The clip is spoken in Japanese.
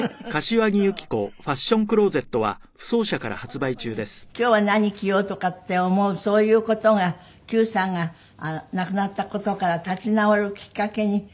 でもそんなふうに今日は何着ようとかって思うそういう事が九さんが亡くなった事から立ち直るきっかけになった事も。